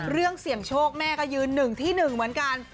เสี่ยงโชคแม่ก็ยืนหนึ่งที่๑เหมือนกัน